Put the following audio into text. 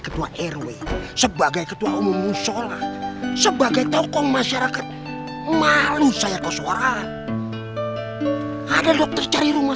ketua rw sebagai ketua umum musola sebagai tokoh masyarakat malu saya kosoran ada dokter cari rumah